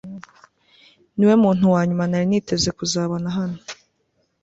niwe muntu wa nyuma nari niteze kuzabona hano